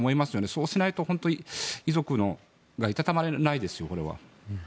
そうしないと本当に遺族がいたたまれないですよ。